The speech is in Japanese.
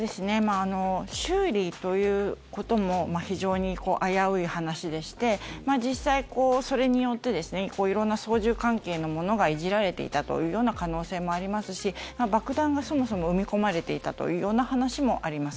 修理ということも非常に危うい話でして実際、それによって色んな操縦関係のものがいじられていたというような可能性もありますし爆弾がそもそも埋め込まれていたというような話もあります。